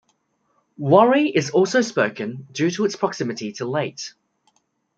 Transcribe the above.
Waray is also spoken due to its proximity to Leyte.